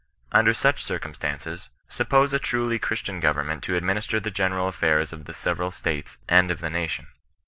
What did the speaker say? Under such cir cumstances, suppose a traly Christian govemment to admhnsteT the general a&urs of the several states aad of the nation.